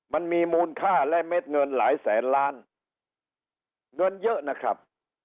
มันมีมูลค่าและเม็ดเงินหลายแสนล้านเงินเยอะนะครับ